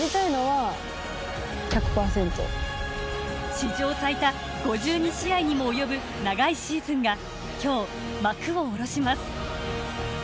史上最多５２試合にもおよぶ長いシーズンが今日、幕を下ろします。